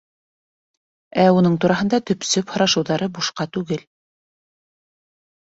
Ә уның тураһында төпсөп һорашыуҙары бушҡа түгел.